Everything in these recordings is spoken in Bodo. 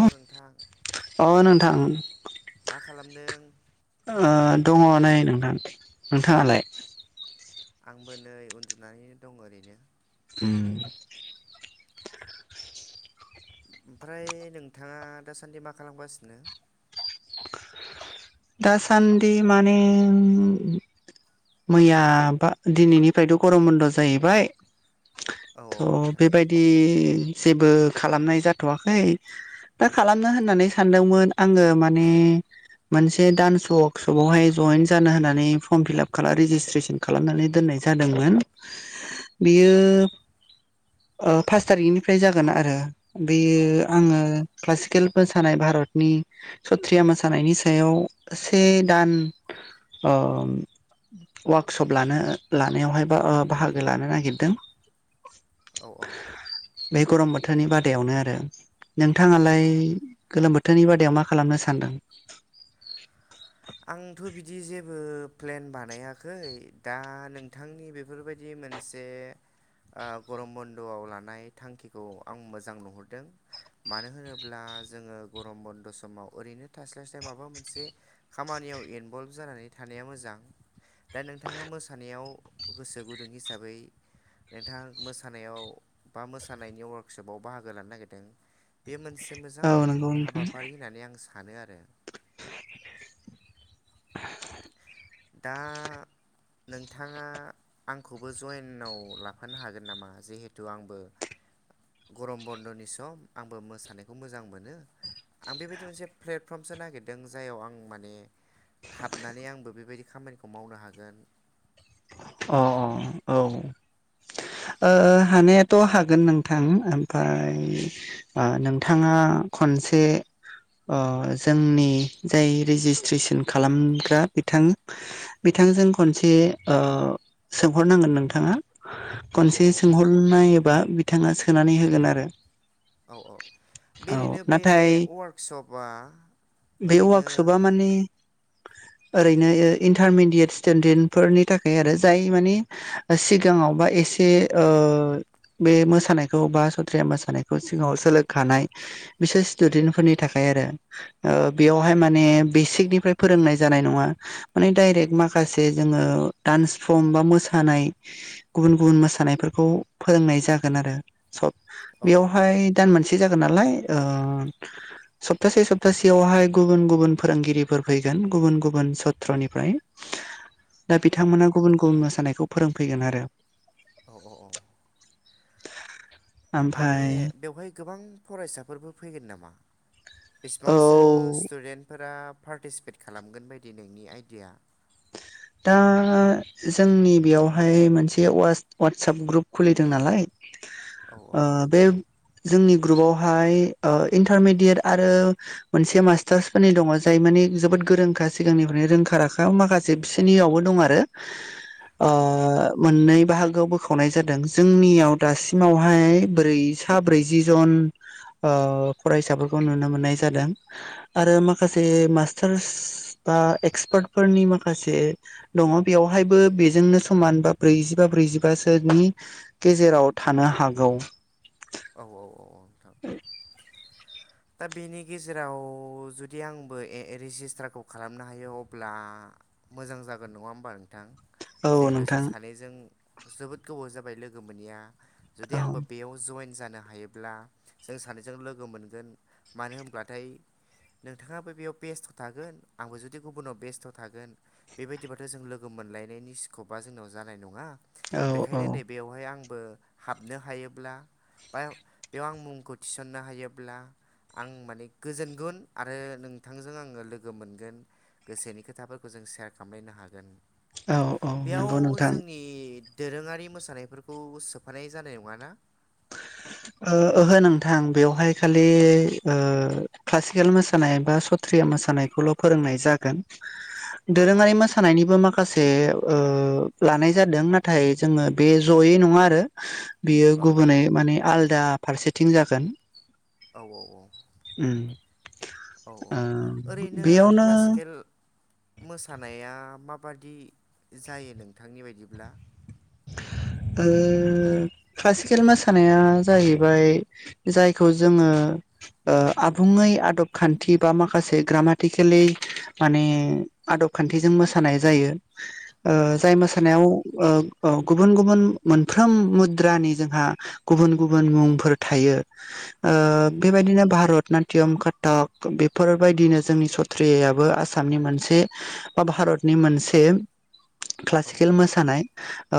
अ नोंथां अ नोंथां। मा खालामदों? अ दङ नै नोंथां। नोंथाङालाय? आंबो नै उन्दुनानै दं ओरैनो। उम। ओमफ्राय नोंथाङा दासान्दि मा खालामगासिनो? दासान्दि माने मैयाबा दिनैनिफ्रायथ' गरम बन्द' जाहैबाय औ थ' औ नोंथां बेबायदि जेबो खालामनाय जाथ'वाखै। दा खालामनो होननानै सानदोंमोन आङो माने मोनसे डान्स वर्कशपावहाय जयेन जानो होनानै फर्म फिलाप खालाम रेजिसट्रेसन खालामनानै दोननाय जा- दोंमोन बियो अ पास थारिखनिफ्राय जागोन आरो। औ बेयो औ आङो क्लासिकेल मोसानाय भारतनि सथ्रिया मोसानायनि सा याव से दान अ वार्कशप लानो-लानायावहाय बा-बाहागो लानो नागिरदों। औ औ। बे गरम बोथोरनि बादायावनो आरो औ नोंथाङालाय औ गोलोम बो- थोरनि बादायाव मा खालामनो सानदों? आंथ' बिदि जेबो प्लेन बानायाखै दा नोंथांनि बेफोरबायदि मोनसे अ गरम बन्द'आव लानाय थांखिखौ आं मोजां नुहुरदों। मानो होनोब्ला जोङो गरम बन्द' समाव ओरैनो थास्लायस्लाय माबा मोनसे खामानियाव इनभल्भ जानानै थानाया मोजां। दा नोंथाङा मोसानायाव गोसो गुदुं हिसाबै नोंथाङा मोसानायाव बा मोसानायनि वर्कशपआव बाहागो लानो नागिरदों। बे मोनसे मोजां औ नंगौ नोंथां हाबाफारि होननानै आं सानो आरो। दा नोंथाङा आंखौबो जइेनाव लाफानो हागोन नामा जिहेथु आंबो गरम बन्द'नि सम आंबो मोसानायखौ मोजां मोनो। आं बेबायदि मोनसे प्लेटफर्मसो नागिरदों जाययाव आं माने हाबनानै आंबो बेबायदि खामानिखौ मावनो हागोन। अ अ अ औ अ हानायाथ' हागोन नोंथां। ओमफ्राय अ नोंथाङा खनसे अ जोंनि जाय रेजिस्ट्रेसन खालामग्रा बिथां बि- थांजों खनसे अ सोंहरनांगोन नोंथाङा। औ खनसे औ सोंहरनायोबा बि- थाङा सोनानै होगोन आरो। औ औ। औ बेरैनो बे नाथाय वार्कशपआ बे ओरैनो वार्कशपआ माने ओरैनो इन्टारमिडयेट स्टेडेनफोरनि थाखाय आरो जाय मानि सिगाङाव बा एसे ओ बे मोसानायखौ बा सथ्रया मोसानायखौ सिगाङाव सोलोंखानाय बिसोर स्टुदेन्टफोरनि थाखाय ओ बेयावहाय माने माने औ बेसिकनिफ्राय फोरोंनाय जानाय नङा माने डाइरेक्ट माखासे जोङो दडान्स फर्म बा मोसानाय गुबुन गुबुन मोसानायफोरखौ फोरोंनाय जागोन आरो सब। औ बेयावहाय दान मोनसे जागोन नालाय ओ सप्तासे सप्तासेयावहाय गुबुन गुबुन फोरोंगिरिफोर फैगोन गुबुन गुबुन सत्रनिफ्राय [inaudible] दा बिथांमोना गुबुन गुबुन मोसानायखौ फोरोंफैगोन आरो। औ औ औ। माने ओमफाय बेवहाय गोबां फरायसाफोरबो फैगोन नामा। औ बेसिबांसो स्टुदेन्ट फोरा। पार्टिसिपेट खालामगोन बायदि नोंनि आइडिया दा जोंनि बेयावहाय मोनसे वाटसप ग्रुप खुलिदों नालाय। औ आ बे। जोंनि ग्रुपावहाय ओ इन्टारमेडियेट आरो मोनसे मास्टार्सफोरनि दङ जाय जोबोर गोरोंखा सिगांनिफ्राय रोंखा राखा माखासे। फ्रियावबो दं आरो अ औ मोननै बाहागोआव बोखावनाय जादों जोंनियाव दासिमावहाय ब्रै सा ब्रैज ब्रैजि जन ओ फरायसाफोरखौ नुनो मोननाय जादों आरो औ माखासे मास्टारस बा एक्सपार्ट फोरनि माखासे दङ बेवहायबो बेजोंनो समान बा ब्रैजिबा ब्रैजिबासोनि गेजेराव थानो हागौ। औ औ औ नोंथां दा बेनि गेजेराव जुदि आंबो रेजिस्टारखौ खालामनो हायो अब्ला मोजां जागोन नङा होमबा नोंथां। औ जिहेथु जों नोंथां सानैजों जोबोद गोबाव जाबाय लोगो मोनैया जुदि औ आंबो बेयाव जइेन जानो हायोब्ला जों सानैजों लोगो मोनगोन मानो होनब्लाथाय नोंथाङाबो बेयाव बेस्टआव थागोन आंबो जुदि गुबुनाव बेस्टआव थागोन बेबायदिबाथ' जों लोगो। मोनलायनायनि स्कपा जोंनाव जानाय नङा। औ औ बेखायनो नैबेयावहाय आंबो हाबनो हायोब्ला बा बेयाव आं मुंखौ थिसननो हायोब्ला आं माने गोजोनगोन आरो नोंथांजों आङो लोगो मोनगोन गोसोनि खोथाफोरखौ जों सेयार खालामलायनो हागोन औ औ बेयाव नंगौ नोंथां जोंनि दोरोङारि मोसानायफोरखौ सोफानाय जानाय नङाना ओहो नोंथां बेवहाय खालि क्लासिकेल मोसानाय बा सत मोसानायखौल' फोरोंनाय जागोन औ औ दोरोङारि नोंथां। मोसानायनिबो माखासे बे ओ लानाय जादों नाथाय जोङो बे जयै नङा आरो। बियो औ गुबुनै माने आलदा फारसेथिं जागोन औ औ औ। उम। औ औ ओ ओरैनो बेयावनो क्लासिकेल मोसानाया माब माबादि जायो नोंथांनि बायदिब्ला ओ क्लासिकेल मोसानाया जाहैबाय जायखौ जोङो ओ आबुङै आदब खान्थि बा माखासे ग्रामाटिकेलि माने आदब खान्थिजों मोसानाय जायो औ औ जाय नोंथां मोसानायाव ओ औ गुबुन गुबुन मोनफ्रोम मुद्रानि जोंहा गुबुन गुबुन मुंफोर थायो। ओ औ बेबायदिनो भारत नातयम काटाक बेफोरबायदिनो जोंनि सथ्रियाबो आसामनि मोनसे बा भारत भारतनि मोनसे औ क्लासिकेल मोसानाय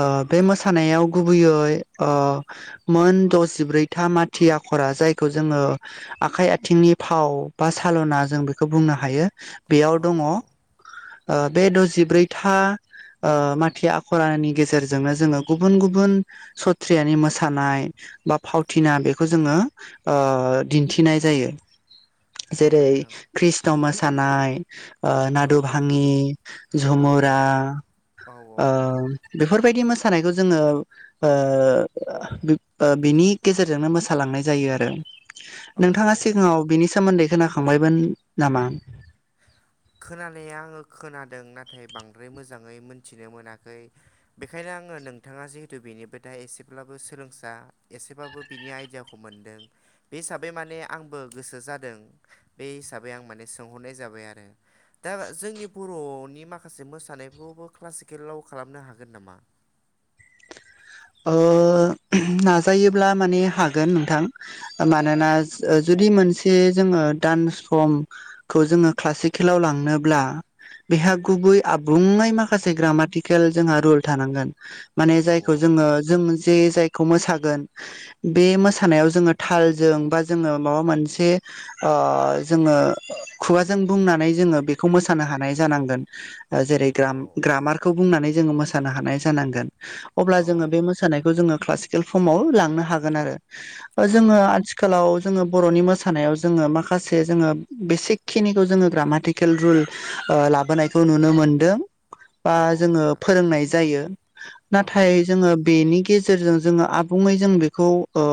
ओ बे मोसानायाव गुबैयै मोन ओ मोन दजिब्रैथा माथि आखरा जायखौ जोङो आखाइ आथिंनि फाव बा साल'ना जों बेखौ बुंनो हायो। बेयाव औ दङ औ ओ औ बे दजिब्रैथा माथि आखरनि गेजेरजों जोंनो जोङो गुबुन गुबुन सथ्रियानि मोसानाय बा फावथिना बेखौ जोङो ओ दिन्थिनाय जायो। [inaudible] जेरै नोंथां कृष्ण मोसानाय ओ औ नादु भाङि औ औ झुमुरा ओ बे बेफोरबायदि मोसानायखौ जोङो ओ ओ बिनि गेजेरजोंनो मोसालांनाय जायो। जायो आरो। औ नोंथाङा औ औ सिगाङाव बिनि सोमोन्दै खोनाखांबायमोन नामा? खोनानाया आङो खोनादों नाथाय बांद्राय मोजाङै मोनथिनो मोनाखै बेखायनो आङो नोंथाङा जिहेतु बेनिबोथाय एसेब्लाबो सोलोंसा एसेब्लाबो बिनि आइडियाखौ मोनदों बे हिसाबै माने आंबो गोसो जादों बे हिसाबै आं माने सोंहरनाय जाबाय आरो। दा जोंनि बर'नि माखासे मोसानायखौबो क्लासिकेलाव खालामनो हागोन नामा? [inaudible] ओ नाजायोब्ला माने हागोन नोंथां मानोना ओ जुदि दि मोनसे जोङो डान्स फर्मखौ जोङो क्लासिकेलाव लांनोब्ला बेहा गुबै आबुुङै माखासे ग्रामाटिकेल जोंहा रुल थानांगोन। माने औ जायखौ जोङो जों जे जाय खौ मोसागोन बे मोसानायाव जोङो थालजों बा जोङो माबा मोनसे ओ जोङो खुगाजों बुंनानै जोङो बेखौ मोसानो हानाय जानांगोन। जेरै औ ग्राम ग्रामारखौ बुंनानै जोङो मोसानो हानाय जानांगोन। अब्ला औ जोङो बे मोसानायखौ जोङो क्लासिकेल फर्माव लांनो हागोन आरो। ओ औ जोङो आथिखालाव जोङो बर'नि मोसानायाव जोङो माखासे जोङो बेसिक खिनिखौ जोङो ग्रामाटिकेल रुल ओ लाबोनायखौ नुनो मोनदों बा औ औ जोङो नोंथां फोरोंनाय जायो ना औ थाय नोंथां जोङो बेनि गेजेरजों जोङो आबुङै जों बे खौ ओ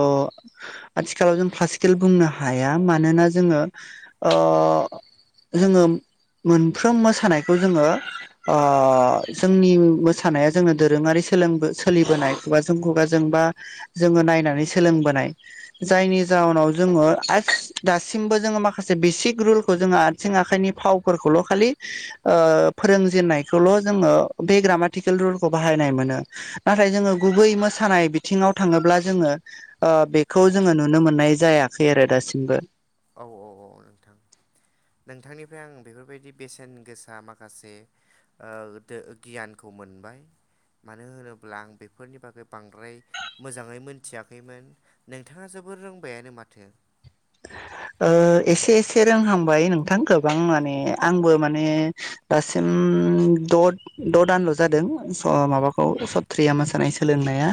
आथिखालाव जों क्लासिकेल बुंनो हाया मानोना जोङो ओ अ जोङो मोनफ्रोम मोसानायखौ जोङो ओ जोंनि मोसानाया जोङो दोरोङारि सोलोंबो सोलिबोनाय खुगाजों खुगाजों बा जोङो नायनानै सोलोंबोनाय जायनि जा औ जाउनाव जोङो दासिमबो जोङो माखासे बेसिक रुलखौ जोङो आथिं आखाइनि फावफोरखौ ल' खालि फोरोंजेनायखौल' जोङो बे ग्रामाटिकेल रुलखौ बाहायनाय मोनो। नाथाय जोङो गुबै मोसानाय बिथिङाव थाङोब्ला जोङो ओ औ बेखौ जोङो नुनो मोननाय जायाखै आरो दासिमबो। औ औ औ नोंथां। नोंथांनिफ्राय आं बेफोरबायदि बेसेन गोसा माखासे ओ गियानखौ मोनबाय मानो होनोब्ला आं बेफोरनि बागै बांद्राय मोजाङै मोनथियाखैमोन नोंथाङा जो बोर रोंबायानो माथो ओ एसे एसे रोंहांबाय नोंथां गोबां माने आंबो माने दासिम उम द' द' दानल' जादों ओ माबाखौ सथ्रिया मोसानाय सोलोंनाया।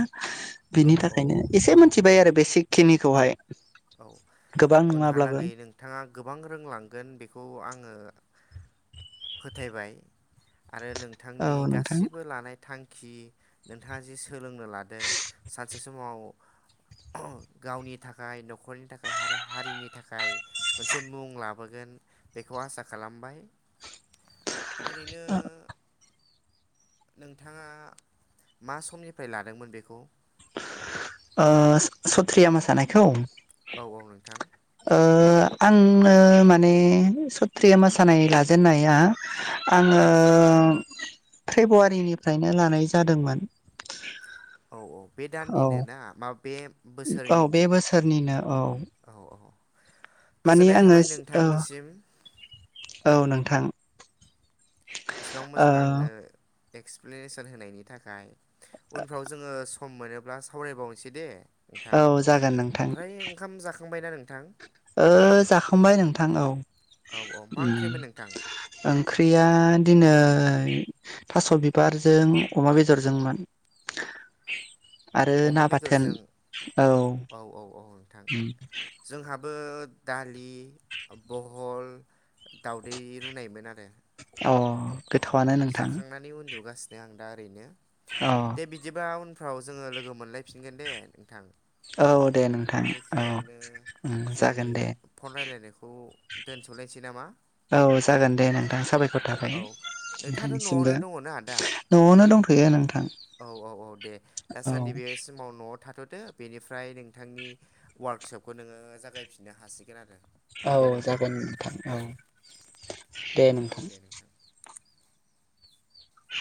औ बिनि औ औ थाखायनो एसे मोनथिबाय आरो बेसिक खिनिखौहाय। औ गोबां नङाब्लाबो उनहालागै नोंथाङा गोबां रोंलांगोन बेखौ आङो फोथायबाय आरो औ नोंथांनि नोंथां गासिबो लानाय थां खि नोंथाङा जि सोलोंनो लादों सानसे समाव ओहोम गावनि थाखाय न न'खरनि थाखाय आरो हारिनि थाखाय मोनसे मुं लाबोगोन बेखौ आसा खालामबाय। ओरैनो नोंथाङा मा समनिफ्राय लादोंमोन बेखौ ओ सत्रिया मोसानायखौ? औ औ नोंथां। ओ आंनो माने सत्रिया मोसानाय लाजेननाया आं ओ फेब्रुवारिनिफ्रायनो लानाय जादोंमोन। औ औ बे औ दाननिनो ना मा बे औ बे बोसोरनिनो बोसोरनिनो औ औ औ माने गोजोननाय आङो थाबाय औ नोंथांनिसिम औ नोंथां इसिबां औ मोजां आंनो एक्सप्लेनेसन होनायनि थाखाय उनफ्राव जोङो सम मोनोब्ला सावरायबावनोसै दे नोंथां औ जागोन नोंथां ओमफ्राय ओंखाम जाखांबायना नोंथां जाखांबाय नोंथां औ औ औ मा ओंख्रिमोन नोंथां ओंख्रिया दिनै थास' बिबारजों अमा बेदरजोंमोन आरो अमा ना बाथोन बेदरजों औ औ औ औ नोंथां जोंहाबो दालि बहल दाउदै रुनायमोन आरो अ औ गोथावआनो नोंथाङो जाखांनानै उन्दुगासिनो आं दा ओरैनो दे बिदिबा उनफ्राव जोङो लोगो मोनलायफिनगोन दे नोंथां औ दे नोंथां औ बेखिनियावनो उम जोंनि जागोन दे फन रायलायनायखौ दोनथ'नोसै नामा औ जागोन दे नोंथां साबायखर थाखाय औ नोंथाङाथ' न'आवनो नोंथांनिसिमबो दङना दा न'आवनो दंथ'यो नोंथां औ औ औ दे औ दासान्दि बे समाव थाथ'दो बेनिफ्राय नोंथांनि वार्कशपखौ नोङो जागायफिननो हासिगोन आरो औ दे नोंथां जागोन नोंथां औ दे नोंथां औ दे नोंथां